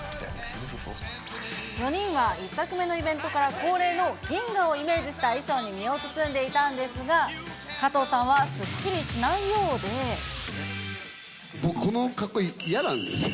４人は１作目のイベントから恒例の銀河をイメージした衣装に身を包んでいたんですが、僕、この格好、嫌なんですよ。